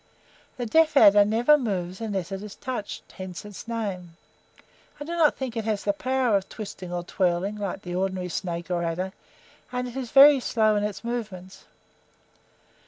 The deaf adder never moves unless it is touched, hence its name. I do not think it has the power of twisting or twirling, like the ordinary snake or adder and it is very slow in its movements.